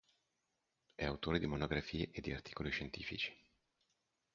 È autore di monografie e di articoli scientifici.